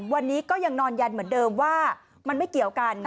วันนี้ก็ยังนอนยันเหมือนเดิมว่ามันไม่เกี่ยวกัน